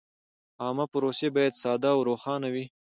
عامه پروسې باید ساده او روښانه وي.